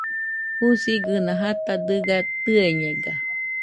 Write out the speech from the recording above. Jusigɨna jata dɨga tɨeñega